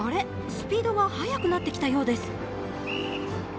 スピードが速くなってきたようです。